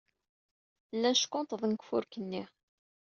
Llan ckunṭḍen deg ufurk-nni.